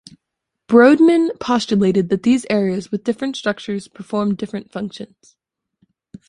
Brodmann postulated that these areas with different structures performed different functions.